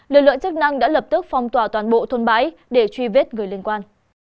lực lượng chức năng đã lập tức phong tỏa toàn bộ thôn bãi để truy vết người liên quan